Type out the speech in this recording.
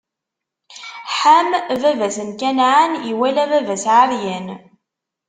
Ḥam, baba-s n Kanɛan, iwala baba-s ɛeryan.